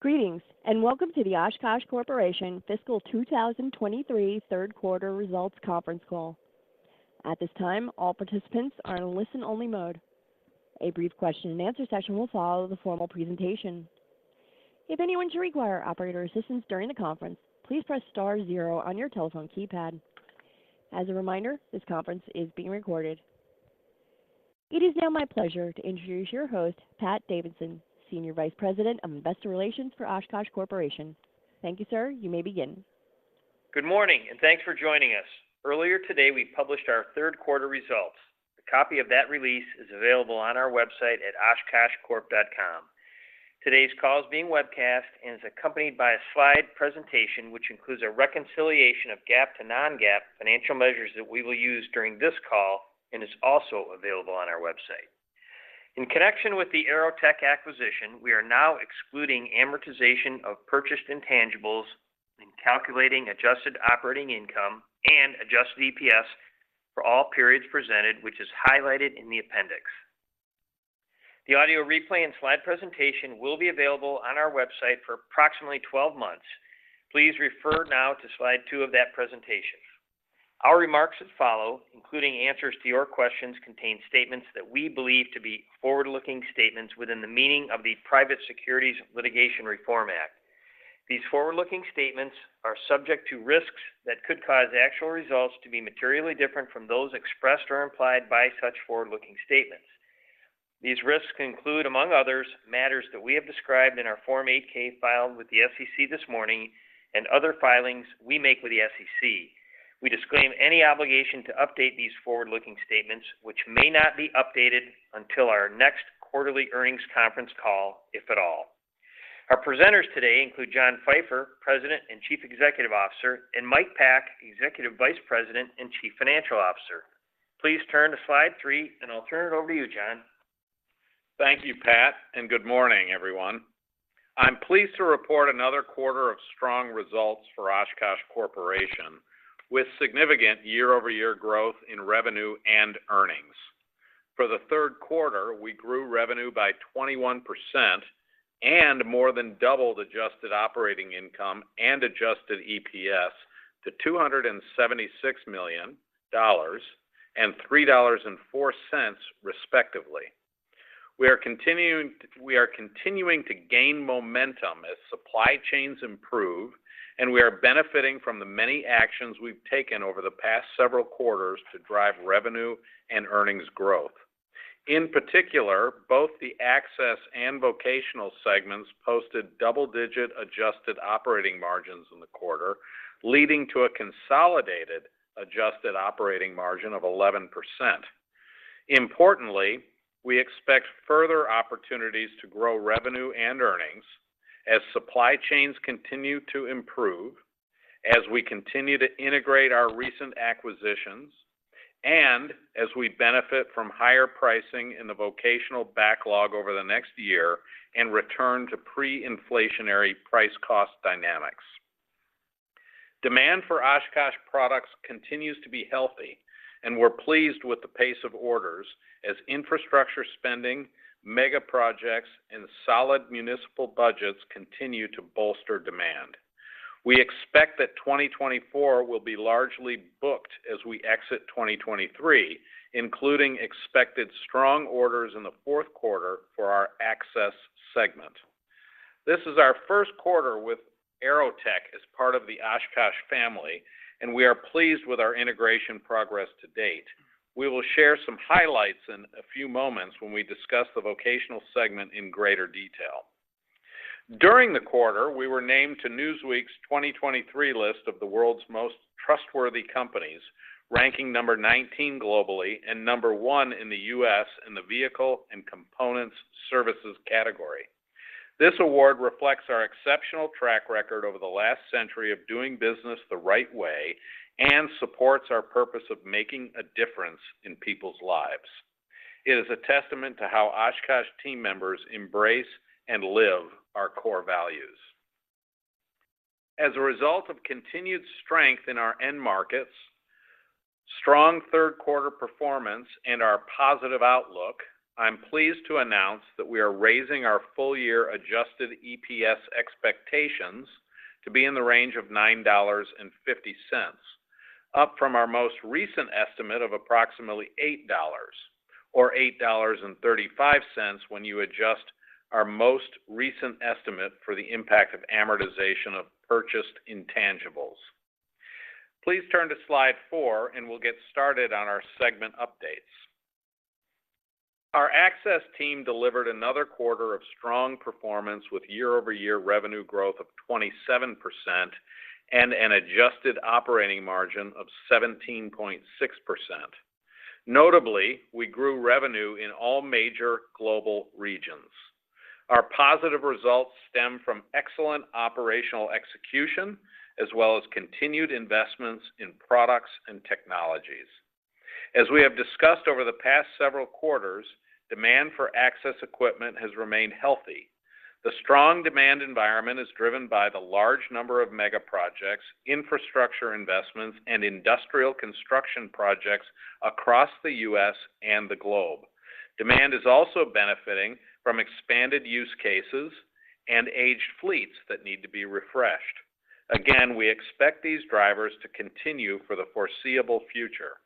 Greetings, and welcome to the Oshkosh Corporation Fiscal 2023 Third Quarter Results Conference Call. At this time, all participants are in listen-only mode. A brief question-and-answer session will follow the formal presentation. If anyone should require operator assistance during the conference, please press star zero on your telephone keypad. As a reminder, this conference is being recorded. It is now my pleasure to introduce your host, Pat Davidson, Senior Vice President of Investor Relations for Oshkosh Corporation. Thank you, sir. You may begin. Good morning, and thanks for joining us. Earlier today, we published our third quarter results. A copy of that release is available on our website at oshkoshcorp.com. Today's call is being webcast and is accompanied by a slide presentation, which includes a reconciliation of GAAP to non-GAAP financial measures that we will use during this call and is also available on our website. In connection with the AeroTech acquisition, we are now excluding amortization of purchased intangibles in calculating adjusted operating income and adjusted EPS for all periods presented, which is highlighted in the appendix. The audio replay and slide presentation will be available on our website for approximately 12 months. Please refer now to slide one of that presentation. Our remarks as follow, including answers to your questions, contain statements that we believe to be forward-looking statements within the meaning of the Private Securities Litigation Reform Act. These forward-looking statements are subject to risks that could cause actual results to be materially different from those expressed or implied by such forward-looking statements. These risks include, among others, matters that we have described in our Form 8-K filed with the SEC this morning and other filings we make with the SEC. We disclaim any obligation to update these forward-looking statements, which may not be updated until our next quarterly earnings conference call, if at all. Our presenters today include John Pfeifer, President and Chief Executive Officer, and Mike Pack, Executive Vice President and Chief Financial Officer. Please turn to slide three, and I'll turn it over to you, John. Thank you, Pat, and good morning, everyone. I'm pleased to report another quarter of strong results for Oshkosh Corporation, with significant year-over-year growth in revenue and earnings. For the third quarter, we grew revenue by 21% and more than doubled adjusted operating income and adjusted EPS to $276 million and $3.04, respectively. We are continuing to gain momentum as supply chains improve, and we are benefiting from the many actions we've taken over the past several quarters to drive revenue and earnings growth. In particular, both the Access and Vocational segments posted double-digit adjusted operating margins in the quarter, leading to a consolidated adjusted operating margin of 11%. Importantly, we expect further opportunities to grow revenue and earnings as supply chains continue to improve, as we continue to integrate our recent acquisitions, and as we benefit from higher pricing in the vocational backlog over the next year and return to pre-inflationary price-cost dynamics. Demand for Oshkosh products continues to be healthy, and we're pleased with the pace of orders as infrastructure spending, mega projects, and solid municipal budgets continue to bolster demand. We expect that 2024 will be largely booked as we exit 2023, including expected strong orders in the fourth quarter for our access segment. This is our first quarter with AeroTech as part of the Oshkosh family, and we are pleased with our integration progress to date. We will share some highlights in a few moments when we discuss the vocational segment in greater detail. During the quarter, we were named to Newsweek's 2023 list of the World's Most Trustworthy Companies, ranking number 19 globally and number one in the U.S. in the Vehicle and Components Services category. This award reflects our exceptional track record over the last century of doing business the right way and supports our purpose of making a difference in people's lives. It is a testament to how Oshkosh team members embrace and live our core values. As a result of continued strength in our end markets, strong third quarter performance, and our positive outlook, I'm pleased to announce that we are raising our full-year Adjusted EPS expectations to be in the range of $9.50, up from our most recent estimate of approximately $8 or $8.35 when you adjust our most recent estimate for the impact of amortization of purchased intangibles. Please turn to slide four, and we'll get started on our segment updates. Our access team delivered another quarter of strong performance with year-over-year revenue growth of 27% and an adjusted operating margin of 17.6%. Notably, we grew revenue in all major global regions. Our positive results stem from excellent operational execution, as well as continued investments in products and technologies. As we have discussed over the past several quarters, demand for access equipment has remained healthy. The strong demand environment is driven by the large number of mega projects, infrastructure investments, and industrial construction projects across the U.S. and the globe.... Demand is also benefiting from expanded use cases and aged fleets that need to be refreshed. Again, we expect these drivers to continue for the foreseeable future.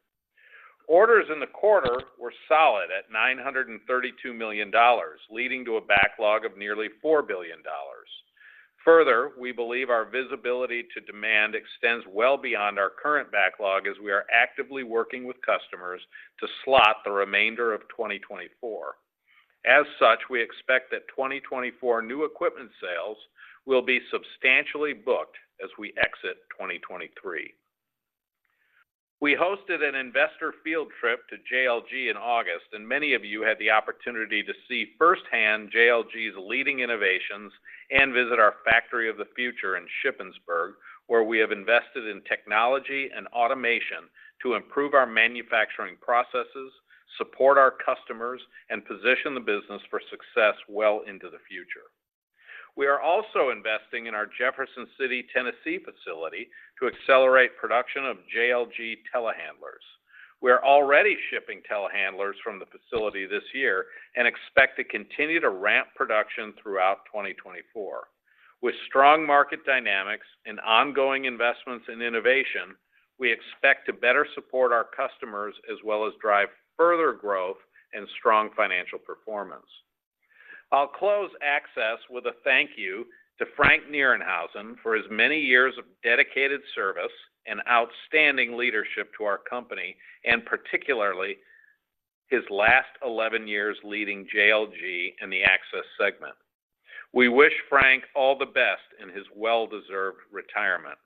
Orders in the quarter were solid at $932 million, leading to a backlog of nearly $4 billion. Further, we believe our visibility to demand extends well beyond our current backlog as we are actively working with customers to slot the remainder of 2024. As such, we expect that 2024 new equipment sales will be substantially booked as we exit 2023. We hosted an investor field trip to JLG in August, and many of you had the opportunity to see firsthand JLG's leading innovations and visit our Factory of the Future in Shippensburg, where we have invested in technology and automation to improve our manufacturing processes, support our customers, and position the business for success well into the future. We are also investing in our Jefferson City, Tennessee, facility to accelerate production of JLG telehandlers. We are already shipping telehandlers from the facility this year and expect to continue to ramp production throughout 2024. With strong market dynamics and ongoing investments in innovation, we expect to better support our customers as well as drive further growth and strong financial performance. I'll close Access with a thank you to Frank Nerenhausen for his many years of dedicated service and outstanding leadership to our company, and particularly, his last 11 years leading JLG in the Access segment. We wish Frank all the best in his well-deserved retirement.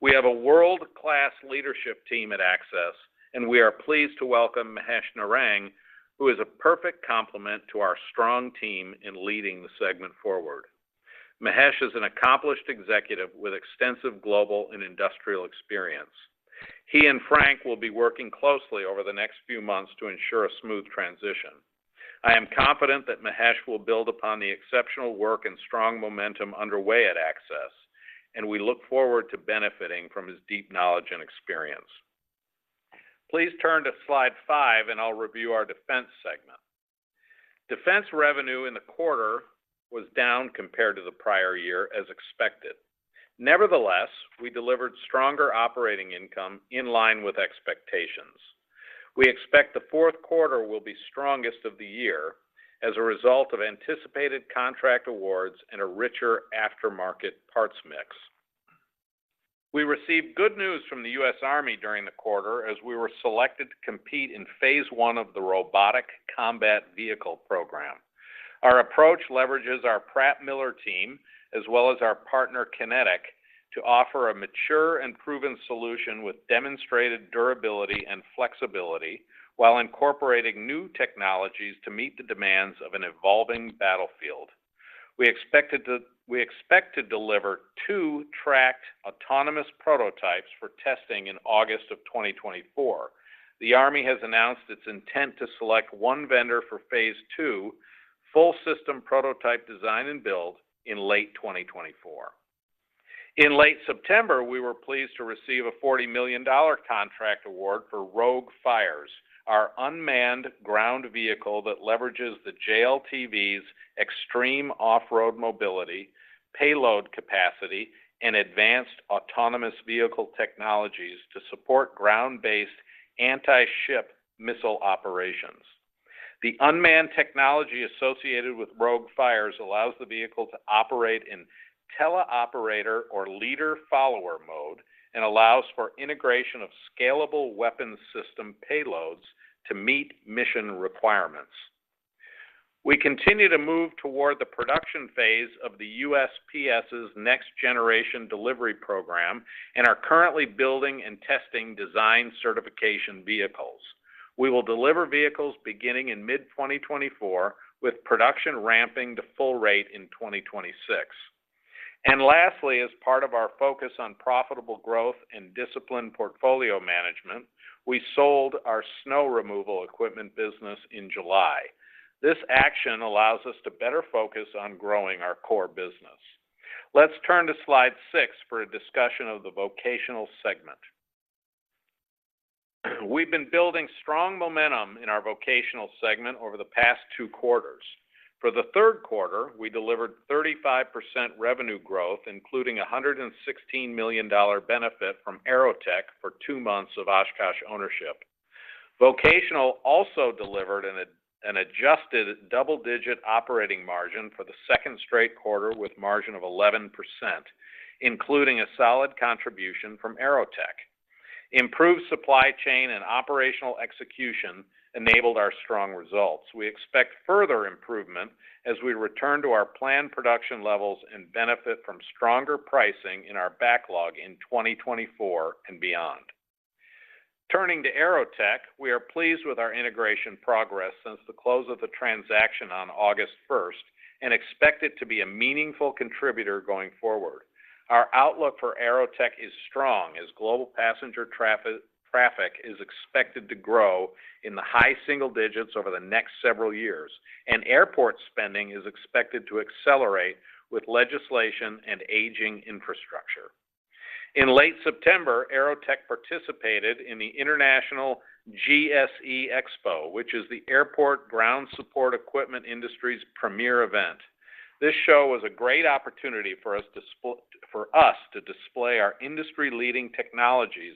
We have a world-class leadership team at Access, and we are pleased to welcome Mahesh Narang, who is a perfect complement to our strong team in leading the segment forward. Mahesh is an accomplished executive with extensive global and industrial experience. He and Frank will be working closely over the next few months to ensure a smooth transition. I am confident that Mahesh will build upon the exceptional work and strong momentum underway at Access, and we look forward to benefiting from his deep knowledge and experience. Please turn to Slide five and I'll review our Defense segment. Defense revenue in the quarter was down compared to the prior year, as expected. Nevertheless, we delivered stronger operating income in line with expectations. We expect the fourth quarter will be strongest of the year as a result of anticipated contract awards and a richer aftermarket parts mix. We received good news from the U.S. Army during the quarter as we were selected to compete in Phase One of the Robotic Combat Vehicle program. Our approach leverages our Pratt Miller team, as well as our partner, QinetiQ, to offer a mature and proven solution with demonstrated durability and flexibility while incorporating new technologies to meet the demands of an evolving battlefield. We expect to deliver two tracked autonomous prototypes for testing in August 2024. The Army has announced its intent to select one vendor for Phase Two, full system prototype design and build in late 2024. In late September, we were pleased to receive a $40 million contract award for ROGUE Fires, our unmanned ground vehicle that leverages the JLTV's extreme off-road mobility, payload capacity, and advanced autonomous vehicle technologies to support ground-based anti-ship missile operations. The unmanned technology associated with ROGUE Fires allows the vehicle to operate in teleoperator or leader-follower mode and allows for integration of scalable weapons system payloads to meet mission requirements. We continue to move toward the production phase of the USPS's Next Generation Delivery program and are currently building and testing design certification vehicles. We will deliver vehicles beginning in mid-2024, with production ramping to full rate in 2026. And lastly, as part of our focus on profitable growth and disciplined portfolio management, we sold our snow removal equipment business in July. This action allows us to better focus on growing our core business. Let's turn to Slide six for a discussion of the Vocational segment. We've been building strong momentum in our Vocational segment over the past two quarters. For the third quarter, we delivered 35% revenue growth, including a $116 million benefit from AeroTech for two months of Oshkosh ownership. Vocational also delivered an adjusted double-digit operating margin for the second straight quarter, with margin of 11%, including a solid contribution from AeroTech. Improved supply chain and operational execution enabled our strong results. We expect further improvement as we return to our planned production levels and benefit from stronger pricing in our backlog in 2024 and beyond. Turning to AeroTech, we are pleased with our integration progress since the close of the transaction on August first, and expect it to be a meaningful contributor going forward. Our outlook for AeroTech is strong as global passenger traffic is expected to grow in the high single digits over the next several years, and airport spending is expected to accelerate with legislation and aging infrastructure. In late September, AeroTech participated in the International GSE Expo, which is the airport ground support equipment industry's premier event. This show was a great opportunity for us to display our industry-leading technologies,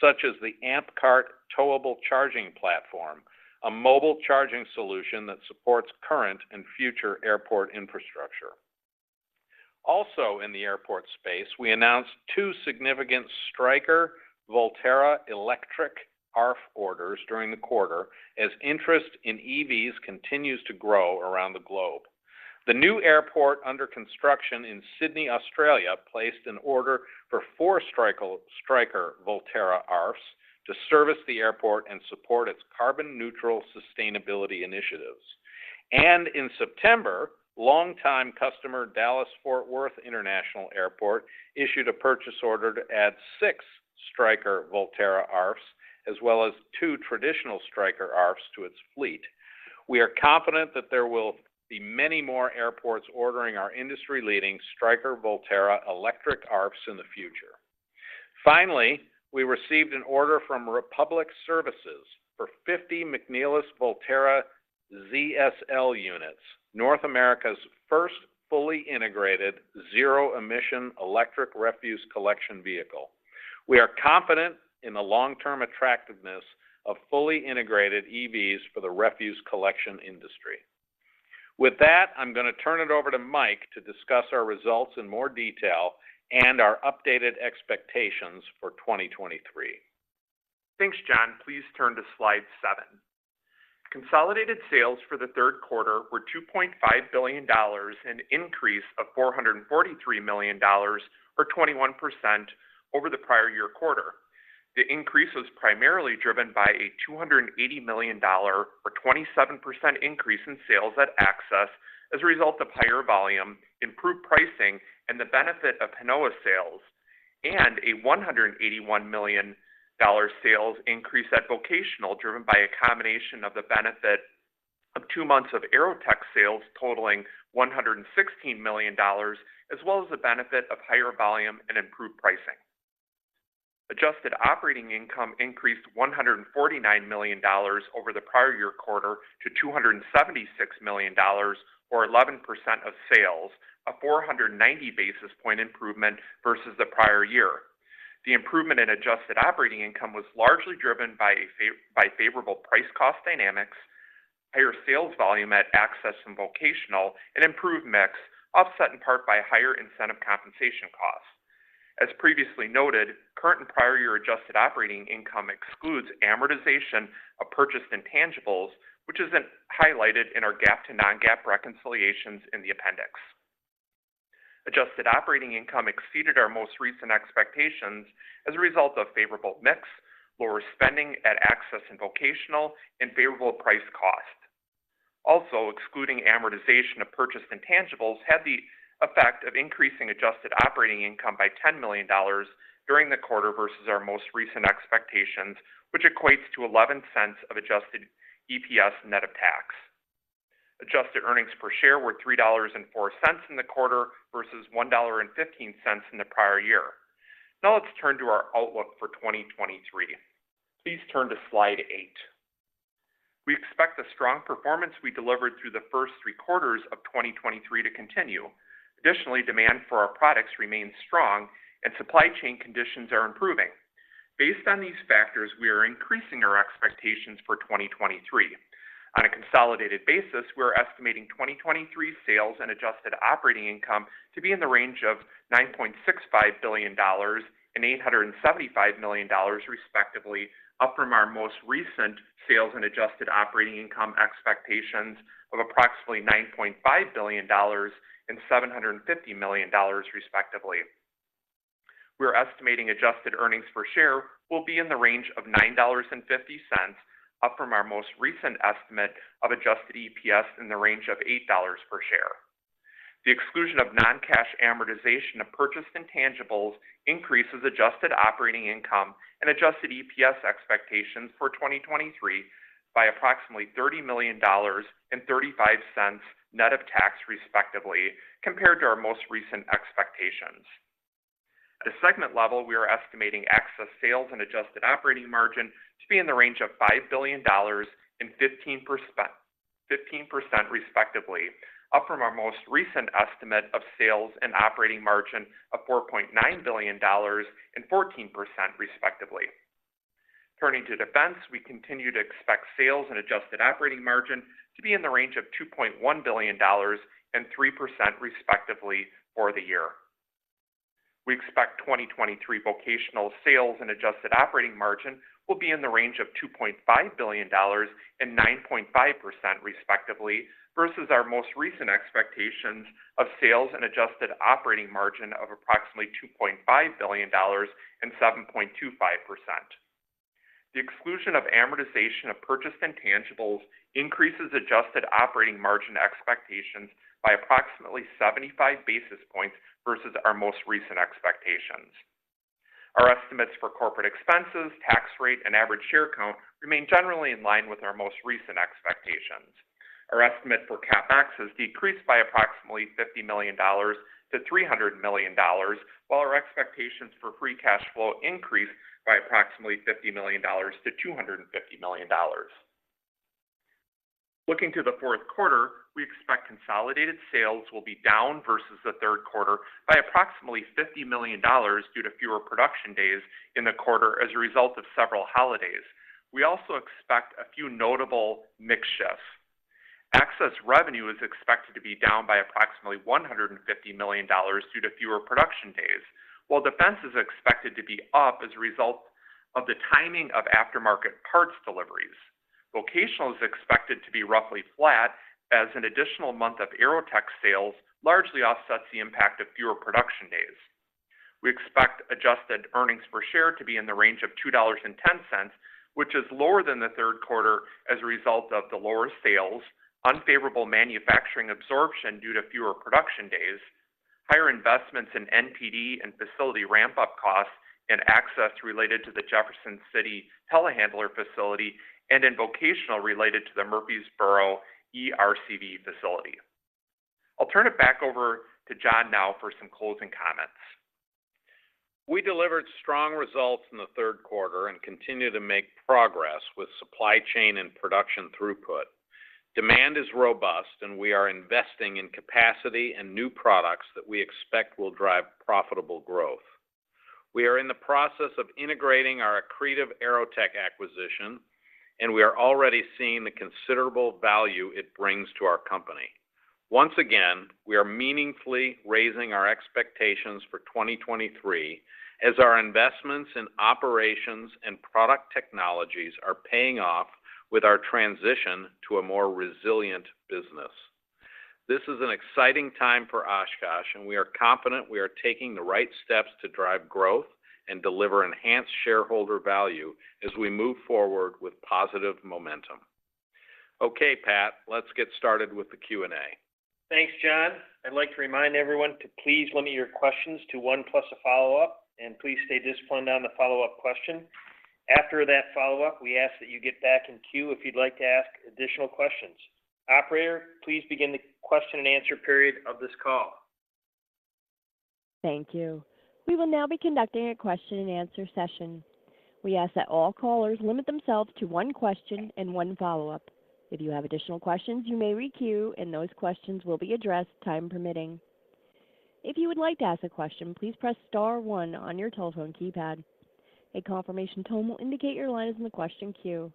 such as the AmpCart mobile charging station, a mobile charging solution that supports current and future airport infrastructure. Also, in the airport space, we announced two significant Striker Volterra electric ARFF orders during the quarter, as interest in EVs continues to grow around the globe. The new airport under construction in Sydney, Australia, placed an order for four Striker, Striker Volterra ARFFs to service the airport and support its carbon-neutral sustainability initiatives. In September, longtime customer Dallas Fort Worth International Airport issued a purchase order to add six Striker Volterra ARFFs, as well as two traditional Striker ARFFs to its fleet. We are confident that there will be many more airports ordering our industry-leading Striker Volterra electric ARFFs in the future. Finally, we received an order from Republic Services for 50 McNeilus Volterra ZSL units, North America's first fully integrated zero-emission electric refuse collection vehicle. We are confident in the long-term attractiveness of fully integrated EVs for the refuse collection industry. With that, I'm going to turn it over to Mike to discuss our results in more detail and our updated expectations for 2023. Thanks, John. Please turn to slide seven. Consolidated sales for the third quarter were $2.5 billion, an increase of $443 million or 21% over the prior-year quarter. The increase was primarily driven by a $280 million or 27% increase in sales at Access as a result of higher volume, improved pricing, and the benefit of Hinowa sales, and a $181 million sales increase at Vocational, driven by a combination of the benefit of two months of AeroTech sales totaling $116 million, as well as the benefit of higher volume and improved pricing. Adjusted operating income increased $149 million over the prior year quarter to $276 million, or 11% of sales, a 490 basis point improvement versus the prior year. The improvement in adjusted operating income was largely driven by by favorable price-cost dynamics, higher sales volume at Access and Vocational, and improved mix, offset in part by higher incentive compensation costs. As previously noted, current and prior year adjusted operating income excludes amortization of purchased intangibles, which isn't highlighted in our GAAP to non-GAAP reconciliations in the appendix. Adjusted operating income exceeded our most recent expectations as a result of favorable mix, lower spending at Access and Vocational, and favorable price-cost. Also, excluding amortization of purchased intangibles, had the effect of increasing adjusted operating income by $10 million during the quarter versus our most recent expectations, which equates to $0.11 of adjusted EPS net of tax. Adjusted earnings per share were $3.04 in the quarter versus $1.15 in the prior year. Now let's turn to our outlook for 2023. Please turn to slide eight. We expect the strong performance we delivered through the first three quarters of 2023 to continue. Additionally, demand for our products remains strong and supply chain conditions are improving. Based on these factors, we are increasing our expectations for 2023. On a consolidated basis, we are estimating 2023 sales and adjusted operating income to be in the range of $9.65 billion and $875 million, respectively, up from our most recent sales and adjusted operating income expectations of approximately $9.5 billion and $750 million, respectively. We are estimating adjusted earnings per share will be in the range of $9.50, up from our most recent estimate of adjusted EPS in the range of $8 per share. The exclusion of non-cash amortization of purchased intangibles increases adjusted operating income and adjusted EPS expectations for 2023 by approximately $30 million and $0.35 net of tax, respectively, compared to our most recent expectations. At a segment level, we are estimating Access sales and adjusted operating margin to be in the range of $5 billion and 15%, 15% respectively, up from our most recent estimate of sales and operating margin of $4.9 billion and 14%, respectively. Turning to Defense, we continue to expect sales and adjusted operating margin to be in the range of $2.1 billion and 3%, respectively, for the year. We expect 2023 Vocational sales and adjusted operating margin will be in the range of $2.5 billion and 9.5%, respectively, versus our most recent expectations of sales and adjusted operating margin of approximately $2.5 billion and 7.25%. The exclusion of amortization of purchased intangibles increases adjusted operating margin expectations by approximately 75 basis points versus our most recent expectations. Our estimates for corporate expenses, tax rate, and average share count remain generally in line with our most recent expectations. Our estimate for CapEx has decreased by approximately $50 million to $300 million, while our expectations for free cash flow increased by approximately $50 million to $250 million. Looking to the fourth quarter, we expect consolidated sales will be down versus the third quarter by approximately $50 million due to fewer production days in the quarter as a result of several holidays. We also expect a few notable mix shifts. Access revenue is expected to be down by approximately $150 million due to fewer production days, while defense is expected to be up as a result of the timing of aftermarket parts deliveries. Vocational is expected to be roughly flat, as an additional month of AeroTech sales largely offsets the impact of fewer production days. We expect adjusted earnings per share to be in the range of $2.10, which is lower than the third quarter as a result of the lower sales, unfavorable manufacturing absorption due to fewer production days, higher investments in NPD and facility ramp-up costs in Access related to the Jefferson City telehandler facility, and in Vocational related to the Murfreesboro ERCV facility. I'll turn it back over to John now for some closing comments. We delivered strong results in the third quarter and continue to make progress with supply chain and production throughput. Demand is robust, and we are investing in capacity and new products that we expect will drive profitable growth. We are in the process of integrating our accretive AeroTech acquisition, and we are already seeing the considerable value it brings to our company. Once again, we are meaningfully raising our expectations for 2023, as our investments in operations and product technologies are paying off with our transition to a more resilient business. This is an exciting time for Oshkosh, and we are confident we are taking the right steps to drive growth and deliver enhanced shareholder value as we move forward with positive momentum. Okay, Pat, let's get started with the Q&A. Thanks, John. I'd like to remind everyone to please limit your questions to one plus a follow-up, and please stay disciplined on the follow-up question. After that follow-up, we ask that you get back in queue if you'd like to ask additional questions. Operator, please begin the question and answer period of this call. Thank you. We will now be conducting a question and answer session. We ask that all callers limit themselves to one question and one follow-up. If you have additional questions, you may requeue, and those questions will be addressed, time permitting. If you would like to ask a question, please press star one on your telephone keypad. A confirmation tone will indicate your line is in the question queue.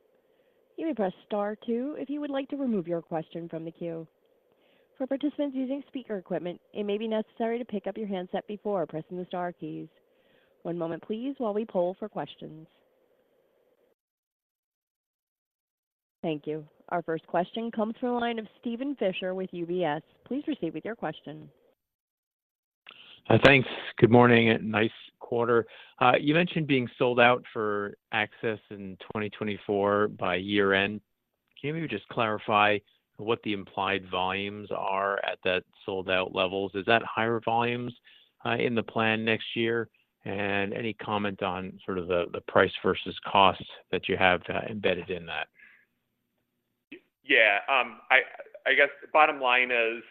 You may press star two if you would like to remove your question from the queue. For participants using speaker equipment, it may be necessary to pick up your handset before pressing the star keys. One moment please, while we poll for questions. Thank you. Our first question comes from the line of Steven Fisher with UBS. Please proceed with your question. Hi. Thanks. Good morning, and nice quarter. You mentioned being sold out for Access in 2024 by year-end. Can you just clarify what the implied volumes are at that sold-out levels? Is that higher volumes in the plan next year? And any comment on sort of the price versus costs that you have embedded in that? Yeah, I guess the bottom line is,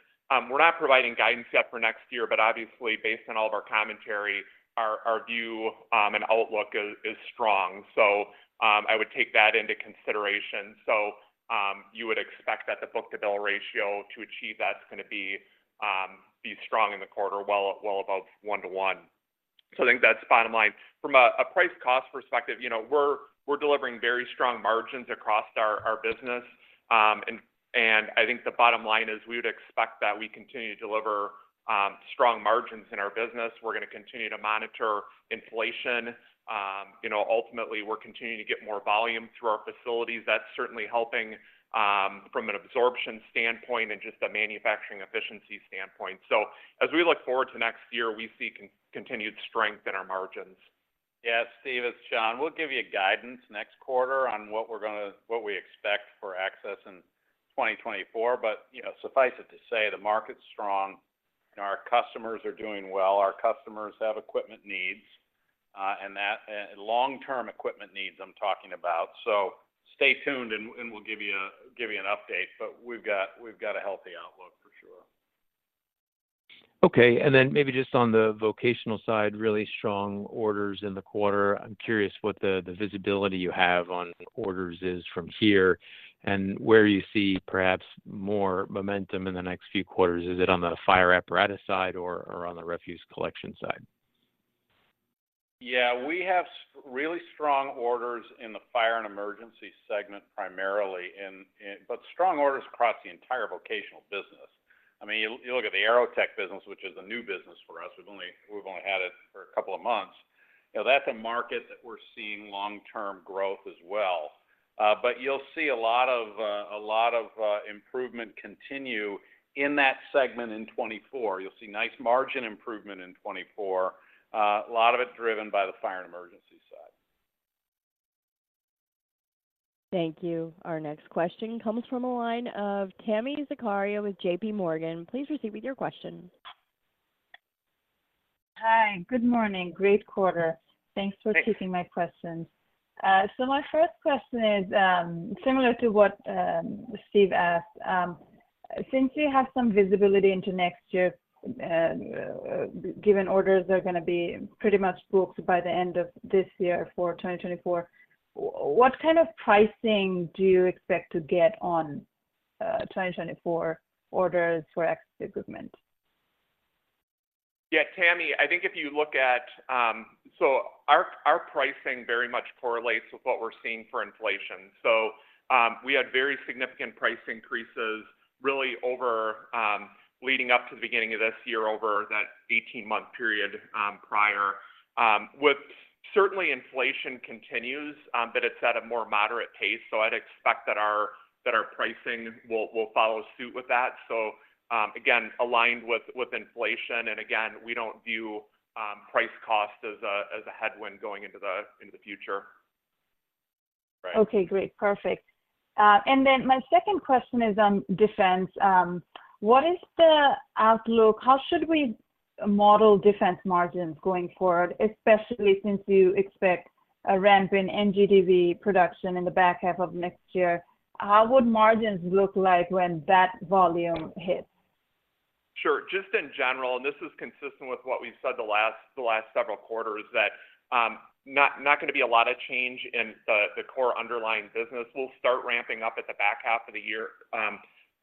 we're not providing guidance yet for next year, but obviously, based on all of our commentary, our view and outlook is strong. So, I would take that into consideration. So, you would expect that the book-to-bill ratio to achieve that's gonna be strong in the quarter, well above 1:1. So I think that's bottom line. From a price-cost perspective, you know, we're delivering very strong margins across our business. And I think the bottom line is we would expect that we continue to deliver strong margins in our business. We're gonna continue to monitor inflation. You know, ultimately, we're continuing to get more volume through our facilities. That's certainly helping from an absorption standpoint and just a manufacturing efficiency standpoint. As we look forward to next year, we see continued strength in our margins. Yes, Steve, it's John. We'll give you guidance next quarter on what we're gonna—what we expect for access in 2024. But, you know, suffice it to say, the market's strong and our customers are doing well. Our customers have equipment needs, and long-term equipment needs I'm talking about. So stay tuned and we'll give you an update, but we've got a healthy outlook for sure. Okay. And then maybe just on the vocational side, really strong orders in the quarter. I'm curious what the visibility you have on orders is from here and where you see perhaps more momentum in the next few quarters. Is it on the fire apparatus side or on the refuse collection side? Yeah, we have really strong orders in the fire and emergency segment, primarily in. But strong orders across the entire Vocational business. I mean, you look at the AeroTech business, which is a new business for us. We've only had it for a couple of months. You know, that's a market that we're seeing long-term growth as well. But you'll see a lot of improvement continue in that segment in 2024. You'll see nice margin improvement in 2024. A lot of it driven by the fire and emergency side. Thank you. Our next question comes from a line of Tami Zakaria with JPMorgan. Please proceed with your question.... Hi, good morning. Great quarter. Thanks for taking my questions. So my first question is, similar to what Steve asked. Since you have some visibility into next year, given orders are going to be pretty much booked by the end of this year for 2024, what kind of pricing do you expect to get on 2024 orders for access equipment? Yeah, Tami, I think if you look at—So our pricing very much correlates with what we're seeing for inflation. So, we had very significant price increases really over leading up to the beginning of this year, over that 18-month period prior. With certainly inflation continues, but it's at a more moderate pace, so I'd expect that our pricing will follow suit with that. So, again, aligned with inflation, and again, we don't view price cost as a headwind going into the future. Right. Okay, great. Perfect. And then my second question is on defense. What is the outlook? How should we model Defense margins going forward, especially since you expect a ramp in NGDV production in the back half of next year? How would margins look like when that volume hits? Sure. Just in general, and this is consistent with what we've said the last, the last several quarters, that, not going to be a lot of change in the, the core underlying business. We'll start ramping up at the back half of the year,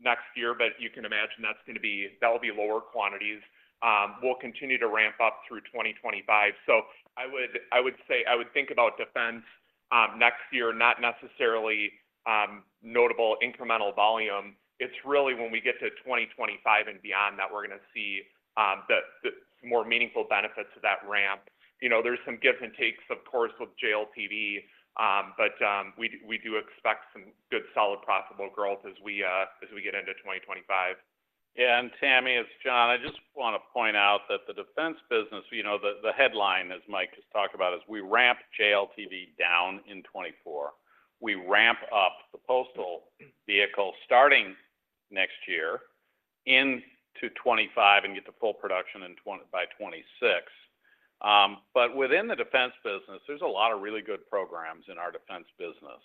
next year, but you can imagine that's going to be, that will be lower quantities. We'll continue to ramp up through 2025. So I would, I would say, I would think about defense, next year, not necessarily, notable incremental volume. It's really when we get to 2025 and beyond that we're going to see, the, the more meaningful benefits of that ramp. You know, there's some gives and takes, of course, with JLTV, but, we do, we do expect some good, solid, profitable growth as we, as we get into 2025. Yeah, and Tami, it's John. I just want to point out that the Defense business, you know, the headline, as Mike just talked about, is we ramp JLTV down in 2024. We ramp up the postal vehicle starting next year into 2025 and get to full production by 2026. But within the Defense business, there's a lot of really good programs in our Defense business.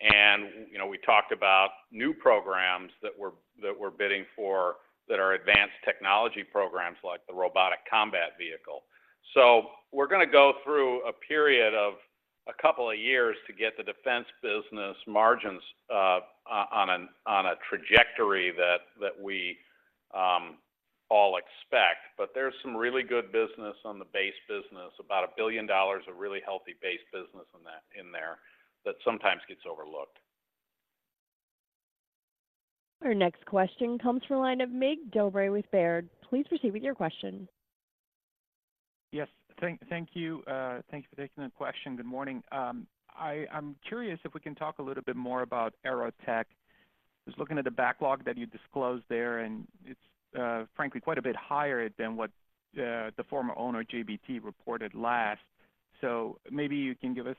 And, you know, we talked about new programs that we're bidding for that are advanced technology programs, like the Robotic Combat Vehicle. So we're going to go through a period of a couple of years to get the Defense business margins on a trajectory that we all expect. There's some really good business on the base business, about $1 billion of really healthy base business in that, in there, that sometimes gets overlooked. Our next question comes from the line of Mig Dobre with Baird. Please proceed with your question. Yes. Thank you. Thank you for taking the question. Good morning. I'm curious if we can talk a little bit more about AeroTech. Just looking at the backlog that you disclosed there, and it's frankly quite a bit higher than what the former owner, JBT, reported last. So maybe you can give us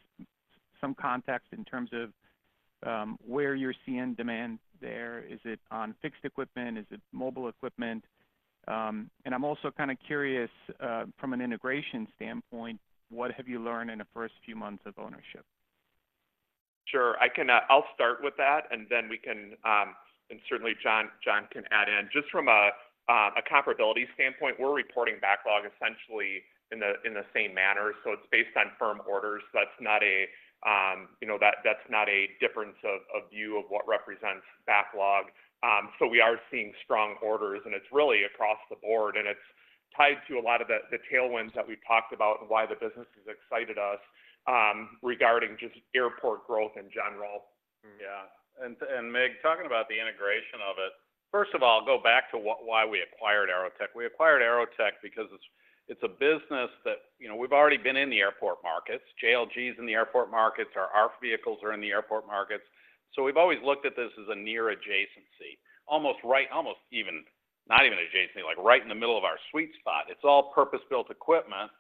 some context in terms of where you're seeing demand there. Is it on fixed equipment? Is it mobile equipment? And I'm also kind of curious from an integration standpoint what have you learned in the first few months of ownership? Sure. I can, I'll start with that, and then we can, and certainly John, John can add in. Just from a, a comparability standpoint, we're reporting backlog essentially in the same manner. So it's based on firm orders. That's not a, you know, that's not a difference of view of what represents backlog. So we are seeing strong orders, and it's really across the board, and it's tied to a lot of the tailwinds that we talked about and why the business has excited us, regarding just airport growth in general. Yeah. And, Mig, talking about the integration of it, first of all, I'll go back to why we acquired AeroTech. We acquired AeroTech because it's, it's a business that, you know, we've already been in the airport markets. JLG is in the airport markets. Our ARFF vehicles are in the airport markets. So we've always looked at this as a near adjacency, almost right, almost even, not even adjacency, like right in the middle of our sweet spot. It's all purpose-built equipment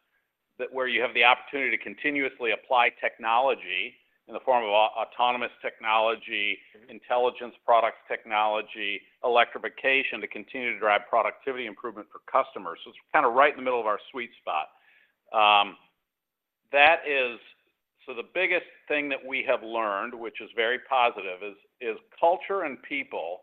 that where you have the opportunity to continuously apply technology in the form of autonomous technology, intelligence products technology, electrification, to continue to drive productivity improvement for customers. So it's kind of right in the middle of our sweet spot. So the biggest thing that we have learned, which is very positive, is culture and people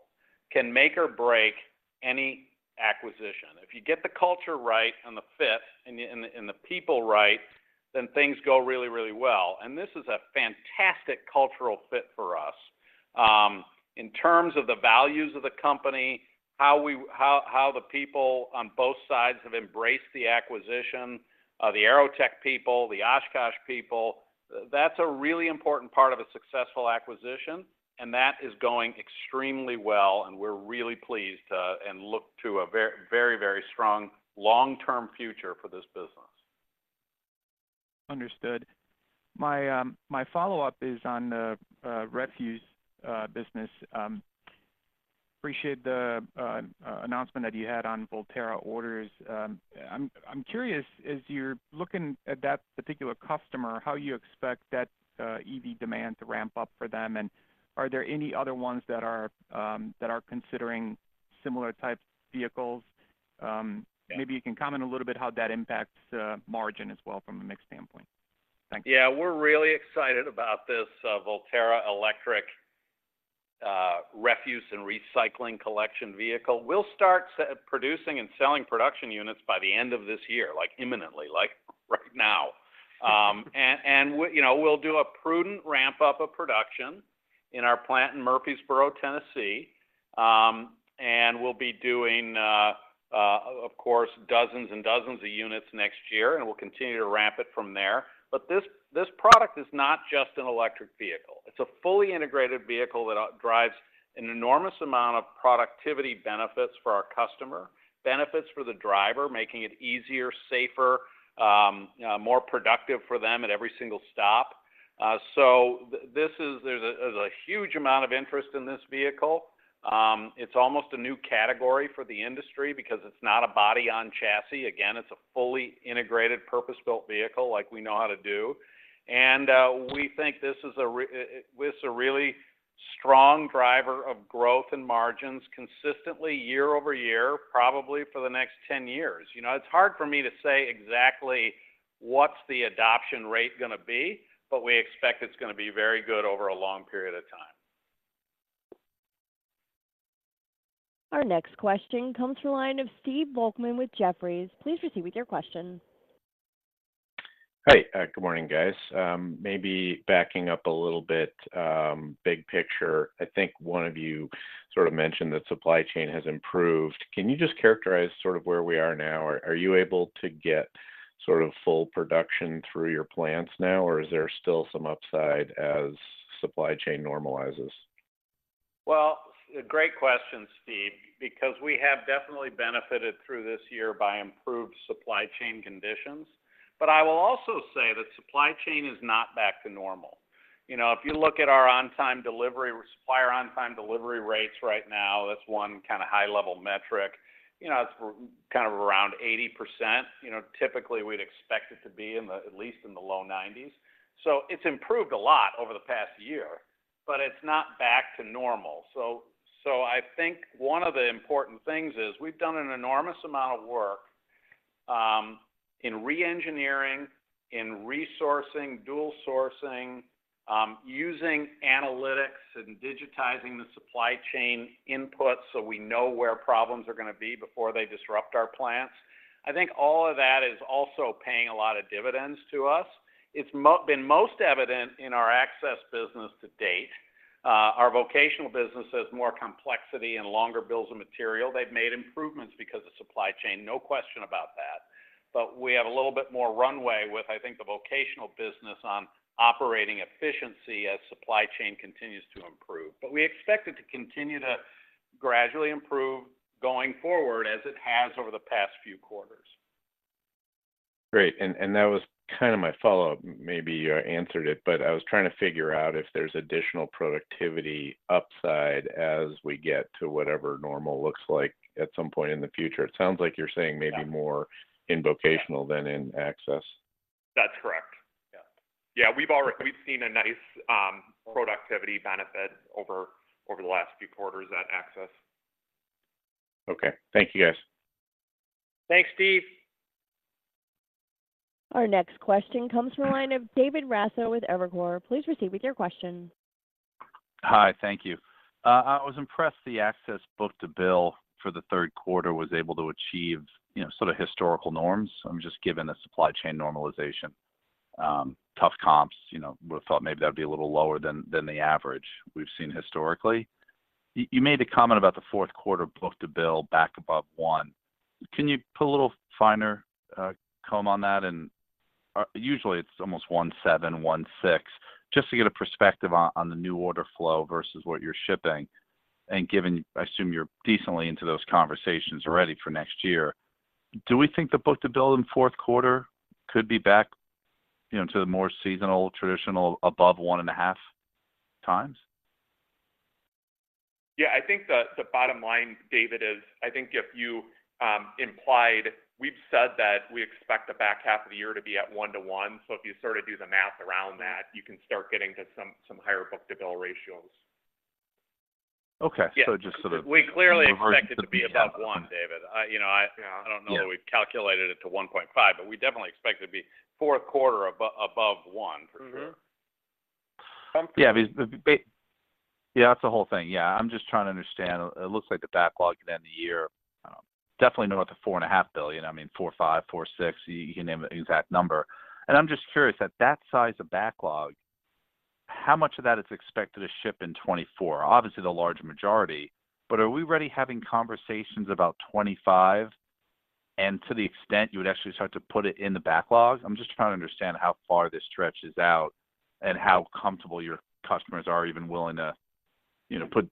can make or break any acquisition. If you get the culture right and the fit and the people right, then things go really, really well. And this is a fantastic cultural fit for us. In terms of the values of the company, how the people on both sides have embraced the acquisition, the AeroTech people, the Oshkosh people, that's a really important part of a successful acquisition, and that is going extremely well, and we're really pleased, and look to a very, very, very strong long-term future for this business. Understood. My, my follow-up is on the refuse business. Appreciate the announcement that you had on Volterra orders. I'm curious, as you're looking at that particular customer, how you expect that EV demand to ramp up for them, and are there any other ones that are considering similar type vehicles? Maybe you can comment a little bit how that impacts margin as well from a mix standpoint.... Yeah, we're really excited about this, Volterra electric, refuse and recycling collection vehicle. We'll start producing and selling production units by the end of this year, like imminently, like right now. And, and you know, we'll do a prudent ramp-up of production in our plant in Murfreesboro, Tennessee. And we'll be doing, of course, dozens and dozens of units next year, and we'll continue to ramp it from there. But this, this product is not just an electric vehicle. It's a fully integrated vehicle that drives an enormous amount of productivity benefits for our customer, benefits for the driver, making it easier, safer, more productive for them at every single stop. So this is-- there's a, there's a huge amount of interest in this vehicle. It's almost a new category for the industry because it's not a body on chassis. Again, it's a fully integrated, purpose-built vehicle like we know how to do. And, we think this is a really strong driver of growth and margins consistently year over year, probably for the next 10 years. You know, it's hard for me to say exactly what's the adoption rate gonna be, but we expect it's gonna be very good over a long period of time. Our next question comes from the line of Steve Volkmann with Jefferies. Please proceed with your question. Hi, good morning, guys. Maybe backing up a little bit, big picture, I think one of you sort of mentioned that supply chain has improved. Can you just characterize sort of where we are now? Are you able to get sort of full production through your plants now, or is there still some upside as supply chain normalizes? Well, great question, Steve, because we have definitely benefited through this year by improved supply chain conditions. But I will also say that supply chain is not back to normal. You know, if you look at our on-time delivery, supplier on-time delivery rates right now, that's one high-level metric, you know, it's kind of around 80%. You know, typically, we'd expect it to be at least in the low 90s. So it's improved a lot over the past year, but it's not back to normal. So I think one of the important things is we've done an enormous amount of work in reengineering, in resourcing, dual sourcing, using analytics and digitizing the supply chain input, so we know where problems are gonna be before they disrupt our plants. I think all of that is also paying a lot of dividends to us. It's been most evident in our access business to date. Our vocational business has more complexity and longer bills of material. They've made improvements because of supply chain, no question about that. But we have a little bit more runway with, I think, the vocational business on operating efficiency as supply chain continues to improve. But we expect it to continue to gradually improve going forward as it has over the past few quarters. Great, and that was kind of my follow-up. Maybe you answered it, but I was trying to figure out if there's additional productivity upside as we get to whatever normal looks like at some point in the future. It sounds like you're saying maybe more- Yeah... in vocational than in access. That's correct. Yeah. Yeah, we've already seen a nice productivity benefit over the last few quarters at Access. Okay. Thank you, guys. Thanks, Steve. Our next question comes from the line of David Raso with Evercore. Please proceed with your question. Hi, thank you. I was impressed the Access book-to-bill for the third quarter was able to achieve, you know, sort of historical norms, just given the supply chain normalization, tough comps, you know, would have thought maybe that would be a little lower than the average we've seen historically. You made a comment about the fourth quarter book-to-bill back above one. Can you put a little finer comb on that? And usually it's almost 1.7, 1.6, just to get a perspective on the new order flow versus what you're shipping. Given, I assume you're decently into those conversations already for next year, do we think the book-to-bill in fourth quarter could be back, you know, to the more seasonal, traditional, above 1.5 times? Yeah, I think the bottom line, David, is, I think if you implied, we've said that we expect the back half of the year to be at one to one. So if you sort of do the math around that, you can start getting to some higher book-to-bill ratios. Okay. Yeah. So just sort of- We clearly expect it to be above one, David. I, you know, I- Yeah. I don't know that we've calculated it to 1.5, but we definitely expect it to be fourth quarter above, above one, for sure. Mm-hmm. Yeah, yeah, that's the whole thing. Yeah, I'm just trying to understand. It looks like the backlog at the end of the year, definitely know about the $4.5 billion. I mean, $4.5, $4.6, you can name an exact number. And I'm just curious, at that size of backlog, how much of that is expected to ship in 2024? Obviously, the large majority, but are we already having conversations about 2025, and to the extent you would actually start to put it in the backlog? I'm just trying to understand how far this stretches out and how comfortable your customers are even willing to, you know, put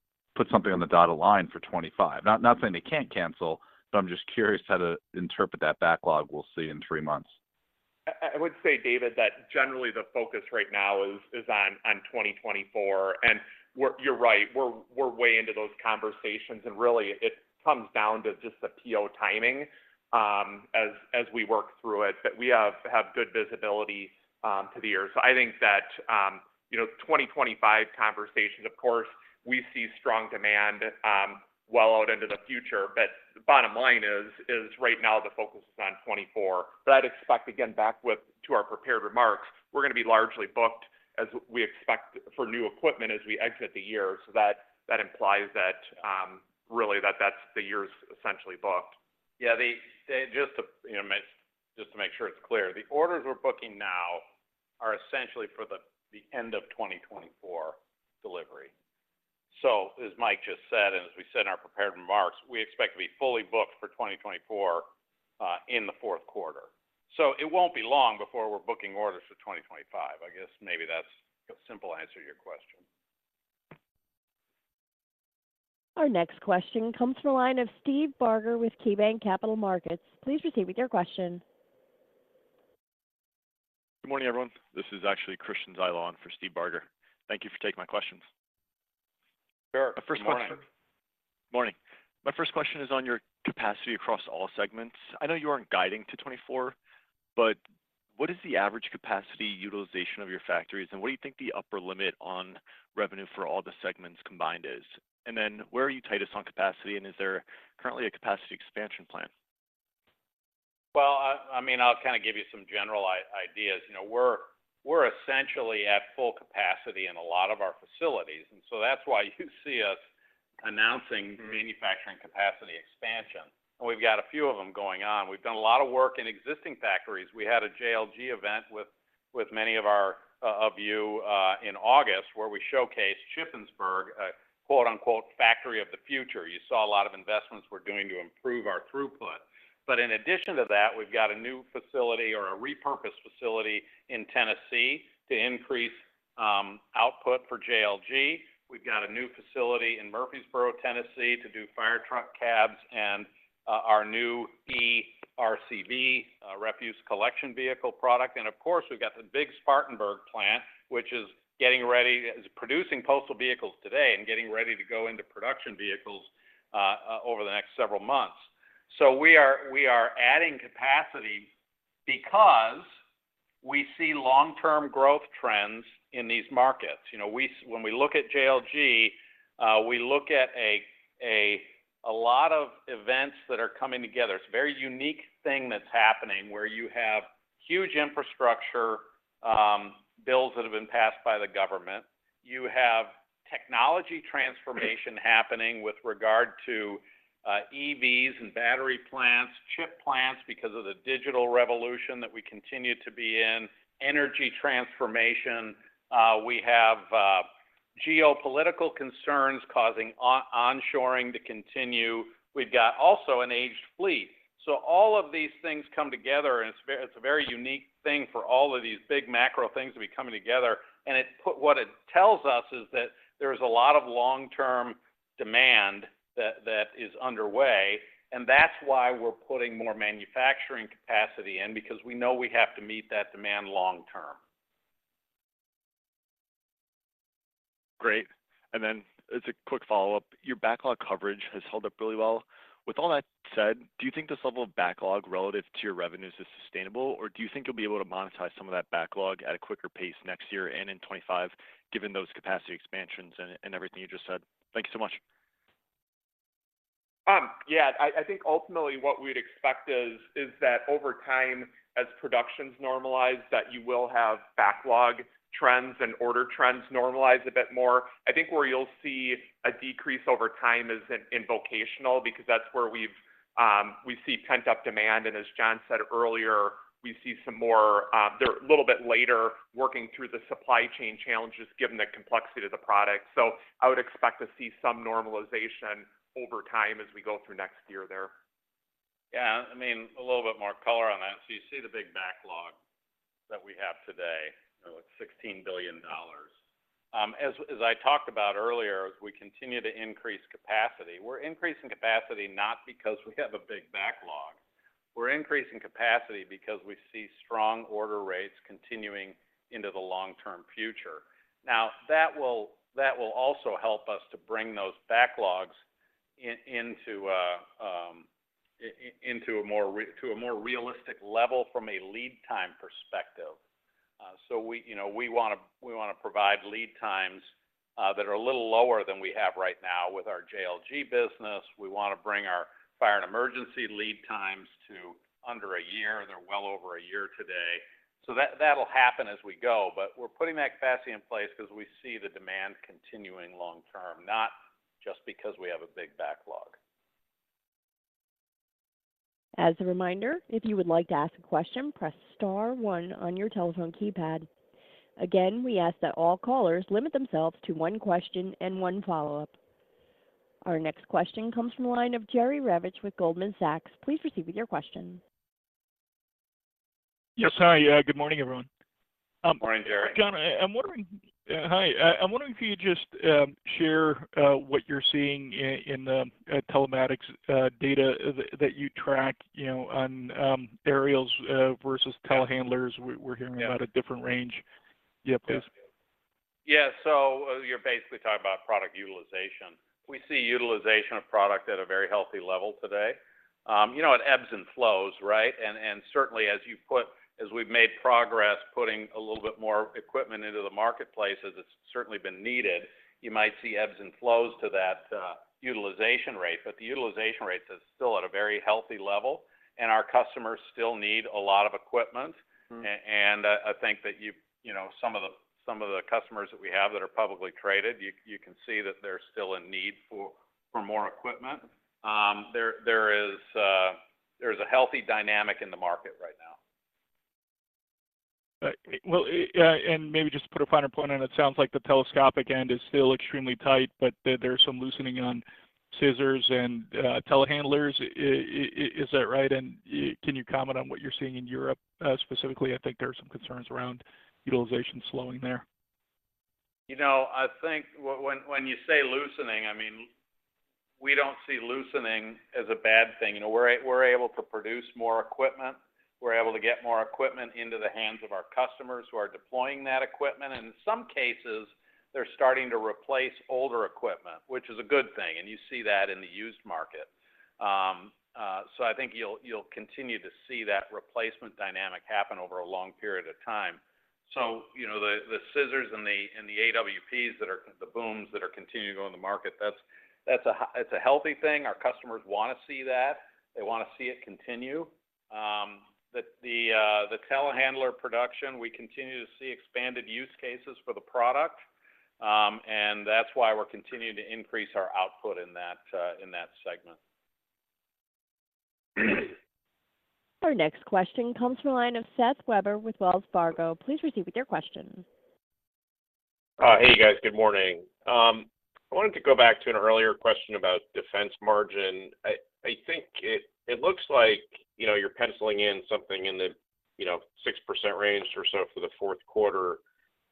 something on the dotted line for 2025. Not saying they can't cancel, but I'm just curious how to interpret that backlog we'll see in three months. I would say, David, that generally the focus right now is on 2024, and we're—you're right, we're way into those conversations, and really it comes down to just the PO timing, as we work through it, but we have good visibility to the year. So I think that, you know, 2025 conversations, of course, we see strong demand, well out into the future. But the bottom line is right now the focus is on 2024. But I'd expect, again, back to our prepared remarks, we're going to be largely booked as we expect for new equipment as we exit the year. So that implies that, really, that's the year is essentially booked. Yeah, just to, you know, make sure it's clear, the orders we're booking now are essentially for the end of 2024 delivery. So as Mike just said, and as we said in our prepared remarks, we expect to be fully booked for 2024 in the fourth quarter. So it won't be long before we're booking orders for 2025. I guess maybe that's a simple answer to your question. Our next question comes from the line of Steve Barger with KeyBanc Capital Markets. Please proceed with your question. Good morning, everyone. This is actually Christian Zyla for Steve Barger. Thank you for taking my questions. Sure. Good morning, sir. Morning. My first question is on your capacity across all segments. I know you aren't guiding to 2024, but what is the average capacity utilization of your factories, and what do you think the upper limit on revenue for all the segments combined is? And then where are you tightest on capacity, and is there currently a capacity expansion plan? Well, I mean, I'll kind of give you some general ideas. You know, we're essentially at full capacity in a lot of our facilities, and so that's why you see us announcing- Mm-hmm... manufacturing capacity expansion, and we've got a few of them going on. We've done a lot of work in existing factories. We had a JLG event with many of you in August, where we showcased Shippensburg, a quote-unquote, "factory of the future." You saw a lot of investments we're doing to improve our throughput. But in addition to that, we've got a new facility or a repurposed facility in Tennessee to increase output for JLG. We've got a new facility in Murfreesboro, Tennessee, to do fire truck cabs and our new ERCV refuse collection vehicle product. And of course, we've got the big Spartanburg plant, which is producing postal vehicles today and getting ready to go into production vehicles over the next several months. So we are adding capacity because we see long-term growth trends in these markets. You know, when we look at JLG, we look at a lot of events that are coming together. It's a very unique thing that's happening, where you have huge infrastructure bills that have been passed by the government. You have technology transformation happening with regard to EVs and battery plants, chip plants, because of the digital revolution that we continue to be in, energy transformation. We have geopolitical concerns causing onshoring to continue. We've got also an aged fleet. So all of these things come together, and it's a very unique thing for all of these big macro things to be coming together. What it tells us is that there's a lot of long-term demand that, that is underway, and that's why we're putting more manufacturing capacity in, because we know we have to meet that demand long term. Great. And then as a quick follow-up, your backlog coverage has held up really well. With all that said, do you think this level of backlog relative to your revenues is sustainable, or do you think you'll be able to monetize some of that backlog at a quicker pace next year and in 2025, given those capacity expansions and everything you just said? Thank you so much. Yeah, I think ultimately what we'd expect is that over time, as productions normalize, that you will have backlog trends and order trends normalize a bit more. I think where you'll see a decrease over time is in vocational, because that's where we see pent-up demand, and as John said earlier, we see some more they're a little bit later working through the supply chain challenges given the complexity of the product. So I would expect to see some normalization over time as we go through next year there. Yeah, I mean, a little bit more color on that. So you see the big backlog that we have today, like $16 billion. As I talked about earlier, as we continue to increase capacity, we're increasing capacity not because we have a big backlog. We're increasing capacity because we see strong order rates continuing into the long-term future. Now, that will also help us to bring those backlogs into a more realistic level from a lead time perspective. So we, you know, we want to, we want to provide lead times that are a little lower than we have right now with our JLG business. We want to bring our fire and emergency lead times to under a year. They're well over a year today. So that, that'll happen as we go. But we're putting that capacity in place 'cause we see the demand continuing long term, not just because we have a big backlog. As a reminder, if you would like to ask a question, press star one on your telephone keypad. Again, we ask that all callers limit themselves to one question and one follow-up. Our next question comes from the line of Jerry Revich with Goldman Sachs. Please proceed with your question. Yes. Hi. Good morning, everyone. Good morning, Jerry. John, I'm wondering... hi, I'm wondering if you could just share what you're seeing in the telematics data that you track, you know, on aerials versus telehandlers. We're hearing- Yeah... about a different range. Yeah, please. Yeah. So you're basically talking about product utilization. We see utilization of product at a very healthy level today. You know, it ebbs and flows, right? And certainly, as we've made progress, putting a little bit more equipment into the marketplace as it's certainly been needed, you might see ebbs and flows to that utilization rate. But the utilization rate is still at a very healthy level, and our customers still need a lot of equipment. Mm-hmm. And I think that you, you know, some of the, some of the customers that we have that are publicly traded, you, you can see that they're still in need for, for more equipment. There's a healthy dynamic in the market right now. Well, yeah, and maybe just to put a finer point on it, it sounds like the telescopic end is still extremely tight, but there, there's some loosening on scissors and telehandlers. Is that right? And can you comment on what you're seeing in Europe? Specifically, I think there are some concerns around utilization slowing there. You know, I think when you say loosening, I mean, we don't see loosening as a bad thing. You know, we're able to produce more equipment. We're able to get more equipment into the hands of our customers, who are deploying that equipment. And in some cases, they're starting to replace older equipment, which is a good thing, and you see that in the used market. So I think you'll continue to see that replacement dynamic happen over a long period of time. So, you know, the scissors and the AWPs that are the booms that are continuing to go in the market, that's a healthy thing. Our customers wanna see that. They wanna see it continue. The telehandler production, we continue to see expanded use cases for the product, and that's why we're continuing to increase our output in that segment. Our next question comes from the line of Seth Weber with Wells Fargo. Please proceed with your question. Hey, you guys. Good morning. I wanted to go back to an earlier question about defense margin. I think it looks like, you know, you're penciling in something in the 6% range or so for the fourth quarter.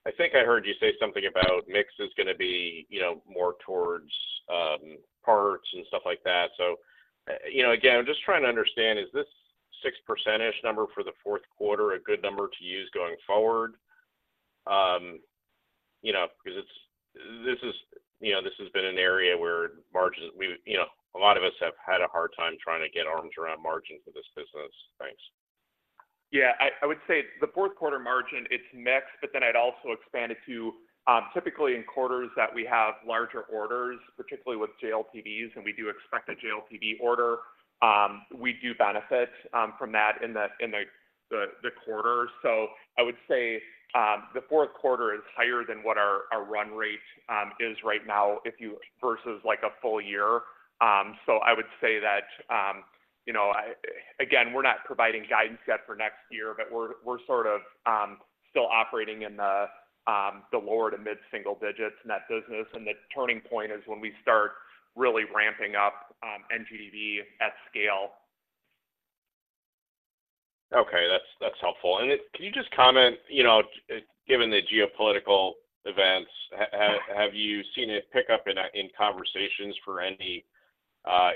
I think I heard you say something about mix is gonna be, you know, more towards parts and stuff like that. You know, again, I'm just trying to understand, is this 6% number for the fourth quarter a good number to use going forward? You know, because it's this is, you know, this has been an area where margins, we, you know, a lot of us have had a hard time trying to get arms around margins for this business. Thanks. Yeah. I would say the fourth quarter margin, it's mixed, but then I'd also expand it to typically in quarters that we have larger orders, particularly with JLTVs, and we do expect a JLTV order. We do benefit from that in the quarter. So I would say the fourth quarter is higher than what our run rate is right now, if you versus, like, a full year. So I would say that, you know, again, we're not providing guidance yet for next year, but we're sort of still operating in the lower to mid-single digits in that business. And the turning point is when we start really ramping up NGDV at scale. Okay. That's helpful. And then can you just comment, you know, given the geopolitical events, have you seen it pick up in conversations for any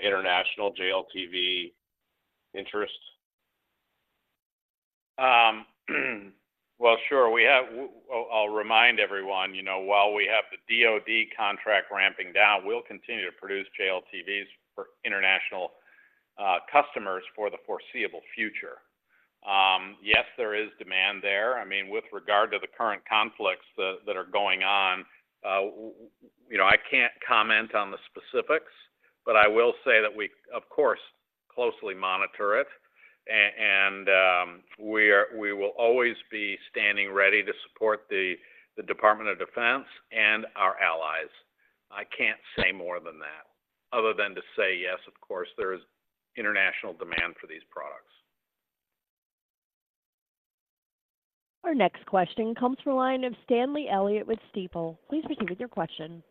international JLTV interests? Well, sure, we have well, I'll remind everyone, you know, while we have the DoD contract ramping down, we'll continue to produce JLTVs for international customers for the foreseeable future. Yes, there is demand there. I mean, with regard to the current conflicts that, that are going on, you know, I can't comment on the specifics, but I will say that we, of course, closely monitor it. And, we will always be standing ready to support the, the Department of Defense and our allies. I can't say more than that, other than to say, yes, of course, there is international demand for these products. Our next question comes from the line of Stanley Elliott with Stifel. Please proceed with your question.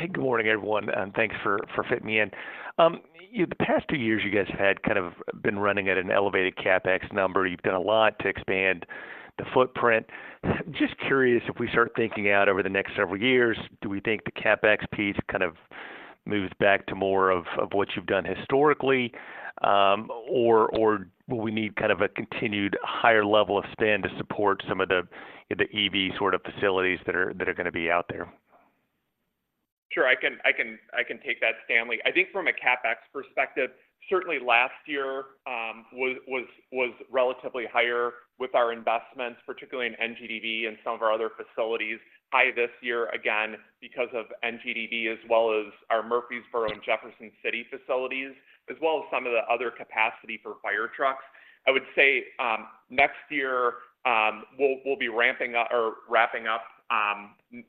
Hey, good morning, everyone, and thanks for fitting me in. The past two years, you guys have kind of been running at an elevated CapEx number. You've done a lot to expand the footprint. Just curious, if we start thinking out over the next several years, do we think the CapEx piece kind of moves back to more of what you've done historically, or will we need kind of a continued higher level of spend to support some of the EV sort of facilities that are gonna be out there? Sure, I can take that, Stanley. I think from a CapEx perspective, certainly last year was relatively higher with our investments, particularly in NGDV and some of our other facilities. High this year, again, because of NGDV, as well as our Murfreesboro and Jefferson City facilities, as well as some of the other capacity for fire trucks. I would say next year, we'll be ramping up or wrapping up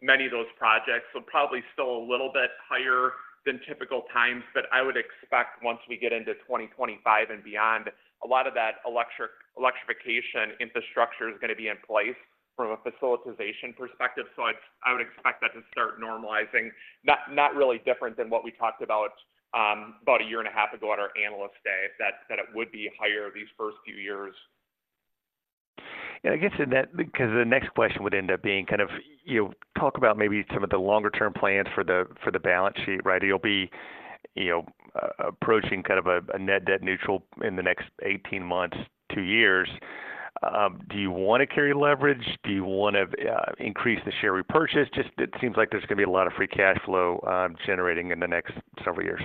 many of those projects, so probably still a little bit higher than typical times. But I would expect once we get into 2025 and beyond, a lot of that electrification infrastructure is gonna be in place from a facilitization perspective, so I would expect that to start normalizing. Not, not really different than what we talked about, about a year and a half ago at our Analyst Day, that, that it would be higher these first few years. Because the next question would end up being kind of: you talk about maybe some of the longer-term plans for the balance sheet, right? It'll be, you know, approaching kind of a net debt neutral in the next 18 months, two years. Do you wanna carry leverage? Do you wanna increase the share repurchase? Just it seems like there's gonna be a lot of free cash flow generating in the next several years.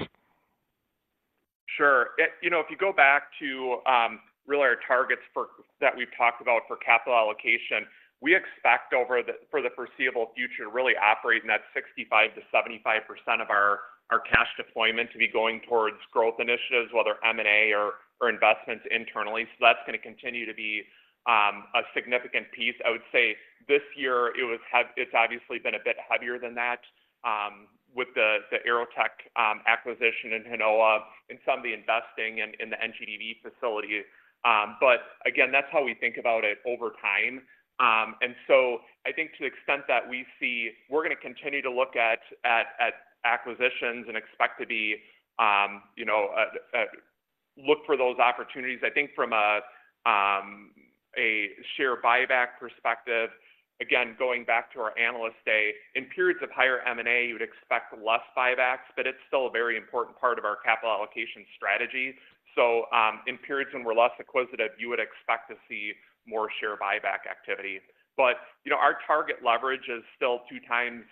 Sure. You know, if you go back to really our targets that we've talked about for capital allocation, we expect for the foreseeable future to really operate in that 65%-75% of our cash deployment to be going towards growth initiatives, whether M&A or investments internally. So that's gonna continue to be a significant piece. I would say this year it's obviously been a bit heavier than that with the AeroTech acquisition and Hinowa and some of the investing in the NGDV facility. But again, that's how we think about it over time. And so I think to the extent that we see, we're gonna continue to look at acquisitions and expect to be you know look for those opportunities. I think from a, a share buyback perspective, again, going back to our Analyst Day, in periods of higher M&A, you would expect less buybacks, but it's still a very important part of our capital allocation strategy. So, in periods when we're less acquisitive, you would expect to see more share buyback activity. But, you know, our target leverage is still two times,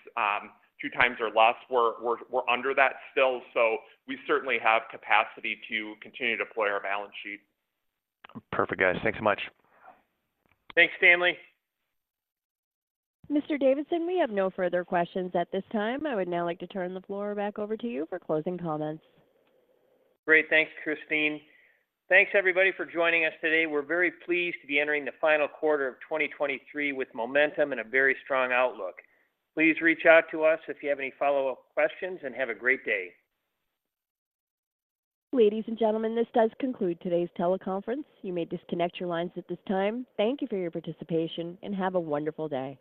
two times or less. We're under that still, so we certainly have capacity to continue to deploy our balance sheet. Perfect, guys. Thanks so much. Thanks, Stanley. Mr. Davidson, we have no further questions at this time. I would now like to turn the floor back over to you for closing comments. Great. Thanks, Christine. Thanks, everybody, for joining us today. We're very pleased to be entering the final quarter of 2023 with momentum and a very strong outlook. Please reach out to us if you have any follow-up questions, and have a great day. Ladies and gentlemen, this does conclude today's teleconference. You may disconnect your lines at this time. Thank you for your participation, and have a wonderful day.